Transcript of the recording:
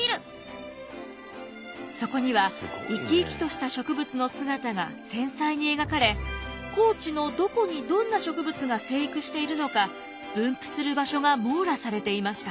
そこには生き生きとした植物の姿が繊細に描かれ高知のどこにどんな植物が生育しているのか分布する場所が網羅されていました。